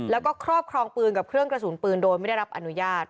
แล้วก็ครอบครองปืนกับเครื่องกระสุนปืนโดยไม่ได้รับอนุญาต